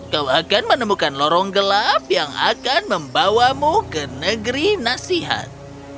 kau akan menemukan lorong gelap yang akan membawamu ke negeri nasihat